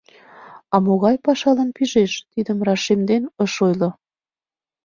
А могай пашалан пижеш — тидым рашемден ыш ойло...